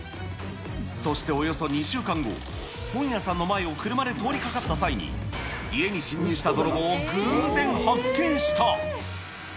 そしておよそ２週間後、本屋さんの前を車で通りかかった際に、家に侵入した泥棒を偶然発見した。